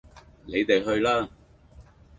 你地去啦